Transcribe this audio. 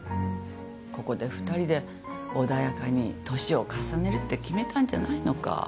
ここで２人で穏やかに年を重ねるって決めたんじゃないのか？